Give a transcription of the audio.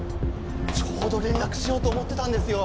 ちょうど連絡しようと思ってたんですよ。